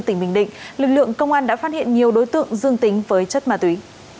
tỉnh bình định lực lượng công an đã phát hiện nhiều đối tượng dương tính với chất ma túy